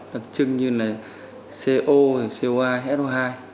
đặc trưng như là co coi so hai